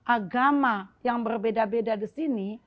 agama yang berbeda beda di sini